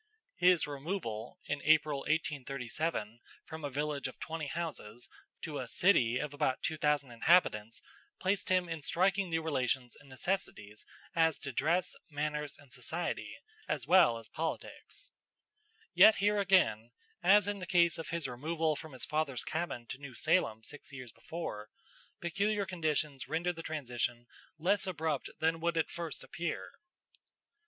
His removal, in April, 1837, from a village of twenty houses to a "city" of about two thousand inhabitants placed him in striking new relations and necessities as to dress, manners, and society, as well as politics; yet here again, as in the case of his removal from his father's cabin to New Salem six years before, peculiar conditions rendered the transition less abrupt than would at first appear.